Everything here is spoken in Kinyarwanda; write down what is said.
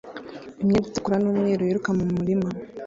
imyenda itukura n'umweru yiruka mu murima